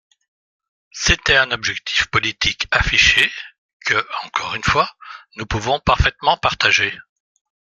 C’était un objectif politique affiché, que, encore une fois, nous pouvons parfaitement partager.